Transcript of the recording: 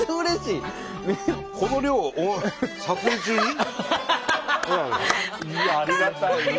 いやありがたい。